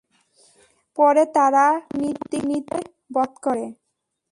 পরে তারা উটনীটিকে বধ করে।